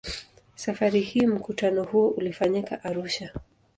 Safari hii mkutano huo ulifanyika Arusha.